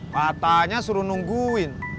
patahnya suruh nungguin